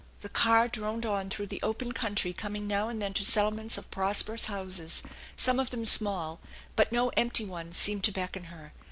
The car droned on through the open country coming now and then to settlements of prosperous houses, some of them small ; but no empty ones seemed to beckon her.